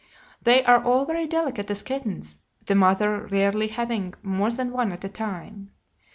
They are all very delicate as kittens, the mother rarely having more than one at a time.